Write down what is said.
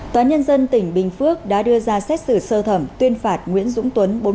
tòa nhân dân tỉnh bình phước đã đưa ra xét xử sơ thẩm tuyên phạt nguyễn dũng tuấn